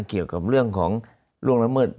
เกี่ยวกับเรื่องของล่วงละเมิด